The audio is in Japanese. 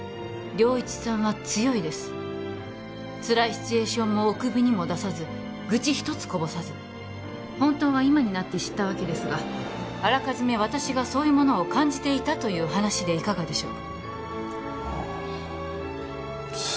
良一さんは強いですつらいシチュエーションもおくびにも出さず愚痴一つこぼさず本当は今になって知ったわけですがあらかじめ私がそういうものを感じていたという話でいかがでしょう？